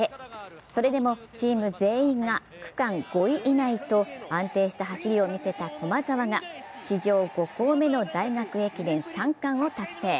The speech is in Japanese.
それでもチーム全員が区間５位以内と安定して走りを見せた駒澤が史上５校目の大学駅伝３冠を達成。